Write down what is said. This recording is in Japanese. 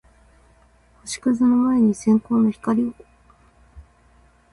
星屑の前に一閃の光を